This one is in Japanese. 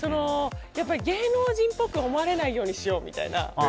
芸能人っぽく思われないようにしようみたいな。